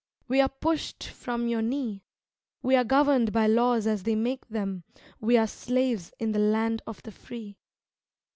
we are pushed from your knee; We are governed by laws as they make them, We are slaves in the land of the free.